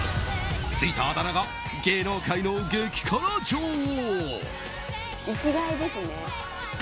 ついたあだ名が芸能界の激辛女王。